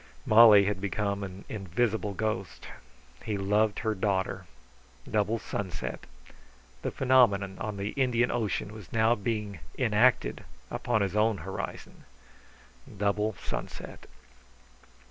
Molly had become an invisible ghost. He loved her daughter. Double sunset; the phenomenon of the Indian Ocean was now being enacted upon his own horizon. Double sunset.